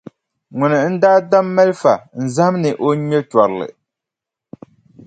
Ŋuni n-daa tam malifa n-zahim ni o ŋme tɔrili?